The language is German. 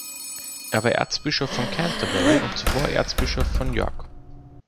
Er war Erzbischof von Canterbury und zuvor Erzbischof von York.